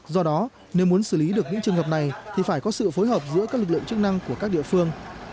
do đó nếu muốn xử lý được những trường hợp này thì phải có sự phối hợp giữa các lực lượng chức năng của các địa phương